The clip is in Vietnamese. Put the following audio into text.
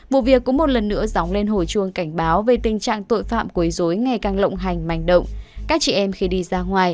vụ việc cũng một lần nữa dóng lên hồi chuông cảnh báo về tình trạng tội phạm quấy dối ngày càng lộng hành manh động